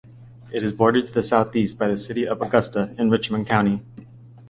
It is bordered to the southeast by the city of Augusta in Richmond County.